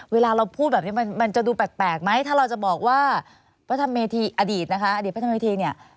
เวลาเราพูดแบบนี้มันจะดูแปลกไหมถ้าเราจะบอกว่าพระธรรมเมธีอดีตนะคะอดีตพระธรรมเมธีเนี่ย